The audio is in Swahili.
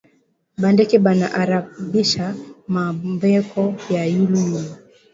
Ba ndeke bana arabisha ma mbeko ya yulu yulu